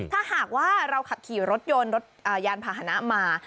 ถ้าหากว่าเราขับขี่รถยนต์รถยานพาหนะมา